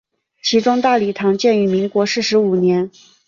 其中大礼堂建于民国四十五年。